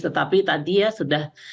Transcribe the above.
tetapi tadi ya sudah